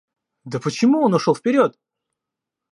Да почему он ушел вперед?